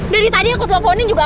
dari tadi aku teleponin juga